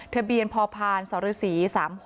ทะเบียนพอพานสรษี๓๖๙๖